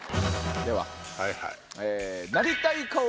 では。